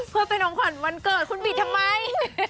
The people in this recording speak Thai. เพื่อเป็นของขวัญวันเกิดคุณบีบทำไม